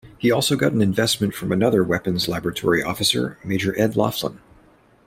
He also got an investment from another Weapons Laboratory officer, Major Ed Laughlin.